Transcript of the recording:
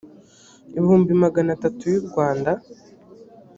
ibihumbi magana atatu y u rwanda